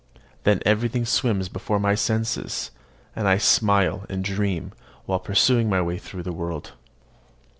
Then everything swims before my senses, and I smile and dream while pursuing my way through the world.